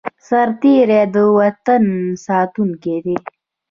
سرتیری د وطن ساتونکی دی